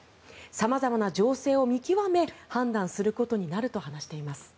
様々な情勢を見極め判断することになると話しています。